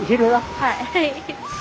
はい。